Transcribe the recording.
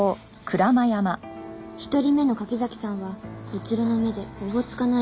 １人目の柿崎さんはうつろな目でおぼつかない